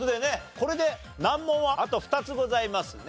これで難問はあと２つございますね。